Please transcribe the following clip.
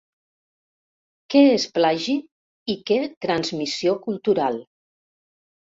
Què és plagi i què transmissió cultural?